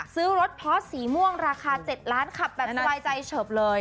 ซื้อรถพอร์สสีม่วงราคา๗ล้านขับแบบสบายใจเฉิบเลย